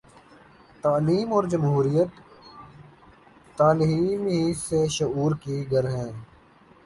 تعلیم اور جمہوریت تعلیم ہی سے شعور کی گرہیں